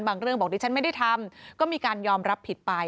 เรื่องบอกดิฉันไม่ได้ทำก็มีการยอมรับผิดไป